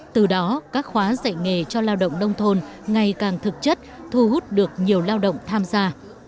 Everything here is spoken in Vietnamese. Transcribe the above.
từ đó các khóa dạy nghề cho lao động nông thôn ngày càng thực chất thu hút được nhiều lao động tham gia